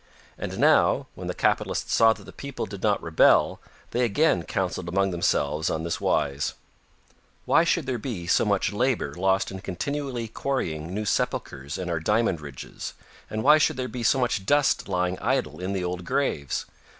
And now, when the capitalists saw that the people did not rebel, they again counseled among themselves on this wise: "Why should there be so much labor lost in continually quarrying new sepulchers in our diamond ridges, and why should there be so much dust lying idle in the old graves?